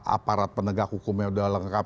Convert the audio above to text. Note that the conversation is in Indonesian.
aparat penegak hukumnya sudah lengkap